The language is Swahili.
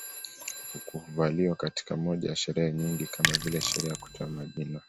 Huvaliwa katika moja ya sherehe nyingi kama vile sherehe ya kutoa majina